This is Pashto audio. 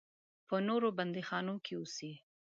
په نورو بندیخانو کې اوسي.